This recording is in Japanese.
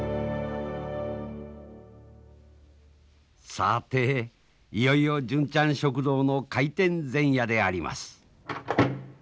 さていよいよ純ちゃん食堂の開店前夜であります。